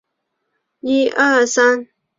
他们被早期的探险家用数字编号。